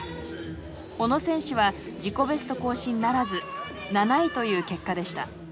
小野選手は自己ベスト更新ならず７位という結果でした。